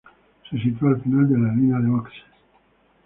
Se sitúa al final de la línea de boxes.